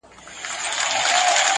دا ځلي غواړم لېونی سم د هغې مینه کي~